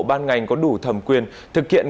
ban ngành có đủ thầm quyền thực hiện